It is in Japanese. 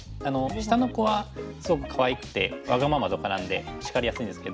下の子はすごくかわいくてわがままとかなんで叱りやすいんですけど。